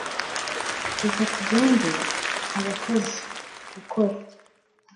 reka tugende! abakozi, gukora